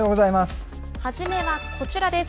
初めはこちらです。